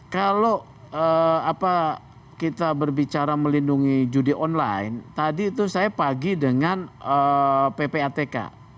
kalau kita berbicara melindungi judi online tadi itu saya pagi dengan ppatk